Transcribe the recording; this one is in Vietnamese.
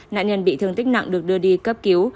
nạn nhân bị thương tích nặng được đưa đi cấp cứu